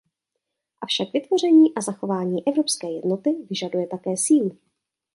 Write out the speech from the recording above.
Avšak vytvoření a zachování evropské jednoty vyžaduje také sílu.